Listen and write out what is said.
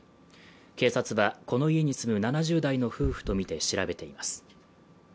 警察はこの家に住む７０代の夫婦とみて調べています。